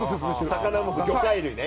魚も魚介類ね